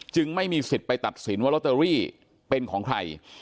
จึงไม่มีสิทธิ์ไปตัดสินว่าเป็นของใคร